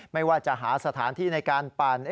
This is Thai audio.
ไม่ว่าจะหาสถานที่ในการปั่น